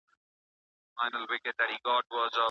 پېرودونکي بې توکو نه راګرځي.